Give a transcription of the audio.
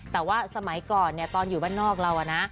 แต่ว่าสมัยก่อนตอนอยู่บ้านนอกเรานะ